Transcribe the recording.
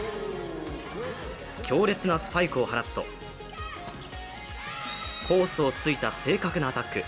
強烈なスパイクを放つとコースを突いた正確なアタック。